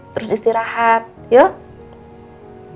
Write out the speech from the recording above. terus istirahat yuk